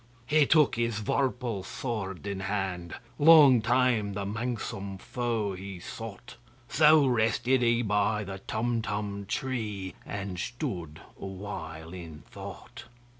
He took his vorpal sword in hand:Long time the manxome foe he sought—So rested he by the Tumtum tree, And stood awhile in thought.